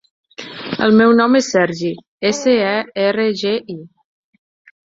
El meu nom és Sergi: essa, e, erra, ge, i.